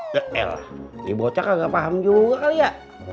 ya elah ribotnya kagak paham juga kali ya